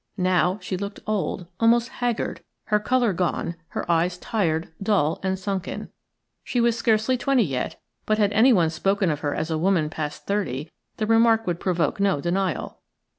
Now she looked old, almost haggard, her colour gone, her eyes tired, dull, and sunken. She was scarcely twenty yet, but had anyone spoken of her as a woman past thirty the remark would provoke no denial.